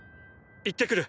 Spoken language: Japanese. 行ってくる！